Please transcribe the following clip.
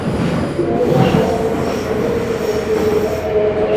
kuna lio halafu kaskazini kuna mji unaitwa ee bozole